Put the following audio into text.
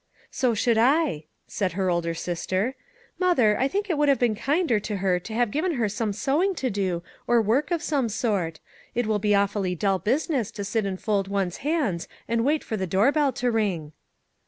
" So should I," said her older sister. " Mother, I think it would have been kinder to her to have given her some sewing to do, or work of some sort. It is awfully dull business 30 ETHEL to sit and fold one's hands and wait for the door bell to ring."